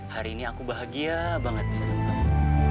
hari ini aku bahagia banget bisa sama kamu